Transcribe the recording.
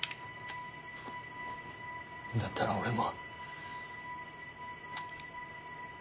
だったら俺も。